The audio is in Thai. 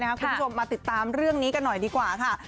คุณผู้ชมมาติดตามเรื่องนี้กันหน่อยดีกว่าค่ะ